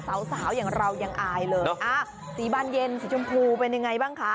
สาวสาวอย่างเรายังอายเลยอ่าสีบานเย็นสีชมพูเป็นยังไงบ้างคะ